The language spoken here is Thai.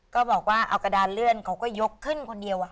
ก็บอกว่าเอากระดานเลื่อนเขาก็ยกขึ้นคนเดียว